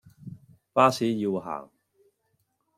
巴士要行